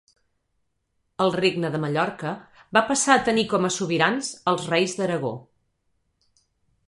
El regne de Mallorca va passar a tenir com sobirans als reis d'Aragó.